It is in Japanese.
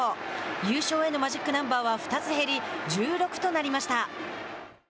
優勝へのマジックナンバーは２つ減り、１６となりました。